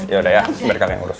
yaudah ya biar kakak yang urus